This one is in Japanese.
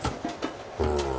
うん。